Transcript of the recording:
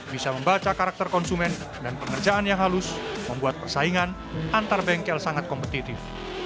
bisa membaca karakter konsumen dan pengerjaan yang halus membuat persaingan antar bengkel sangat kompetitif